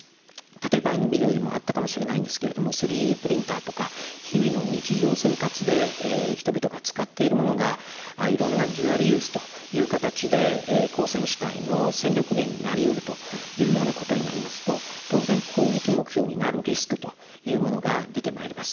例えば、ビデオでもあったかもしれませんが３Ｄプリンターとか日々の日常生活で人々が使っているものがいろいろなデュアルユースという形で戦力源になりうるということになりますと当然、攻撃目標になるリスクというものが出てまいります。